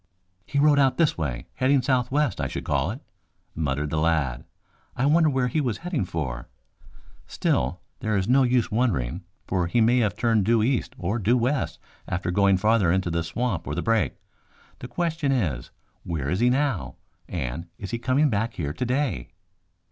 "He rode out this way, heading southwest, I should call it," muttered the lad. "I wonder where he was heading for? Still, there is no use wondering, for he may have turned due east or due west after going farther into the swamp or the brake. The question is, where is he now, and is he coming back here today?"